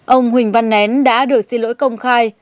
ông huỳnh văn nén đã được xin lỗi công khai